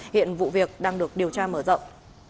hiện vụ việc đang được điều tra mở rộng